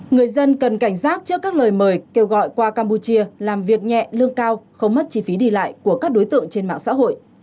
người dân cần cảnh giác trước các lời mời kêu gọi qua campuchia làm việc nhẹ lương cao không mất chi phí đi lại của các đối tượng trên mạng xã hội